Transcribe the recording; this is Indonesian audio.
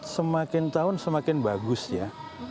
semakin tahun semakin bagus ya